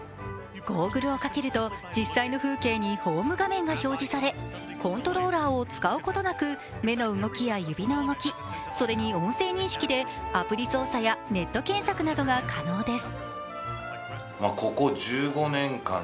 ゴーグルをかけると実際の風景にホーム画面が表示されコントローラーを使うことなく目の動きや指の動き、それに音声認識でアプリ操作やネット検索などが可能です。